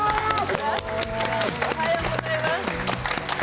おはようございます。